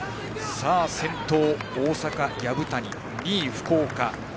先頭は大阪、薮谷２位、福岡。